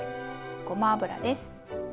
ごま油です。